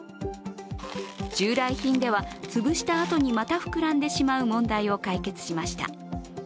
従来品ではつぶしたあとにまた膨らんでしまう問題を解決しました。